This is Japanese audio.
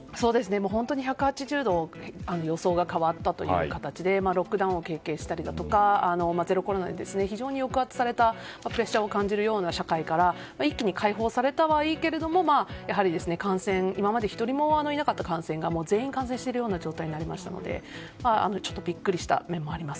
１８０度予想が変わった形でロックダウンを経験したりゼロコロナで非常に抑圧されたプレッシャーを感じるような社会から一気に解放されたはいいけれど今まで１人もいなかった感染が全員感染しているような状態になりましたのでびっくりした面もあります。